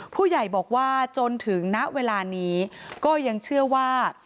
ผู้ใหญ่บอกว่าจนถึงณเวลานี้ก็ยังเชื่อว่า